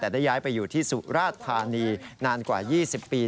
แต่ได้ย้ายไปอยู่ที่สุราชธานีนานกว่า๒๐ปี